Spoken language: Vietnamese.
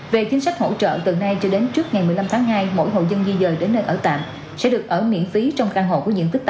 về chính sách hỗ trợ từ nay cho đến trước ngày một mươi năm tháng hai mỗi hộ dân di dời đến nơi ở tạm sẽ được ở miễn phí trong căn hộ có diện tích tám mươi m hai tại chung cư an phú này